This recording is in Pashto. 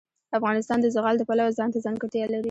افغانستان د زغال د پلوه ځانته ځانګړتیا لري.